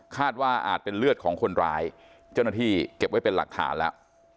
ว่าอาจเป็นเลือดของคนร้ายเจ้าหน้าที่เก็บไว้เป็นหลักฐานแล้ว